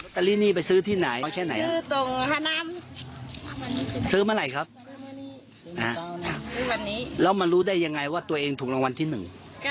ก็เอามาตอนนี้ก็อย่ามาลงทุนเพื่อขายมาหากิน